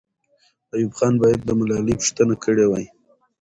ایوب خان باید د ملالۍ پوښتنه کړې وای.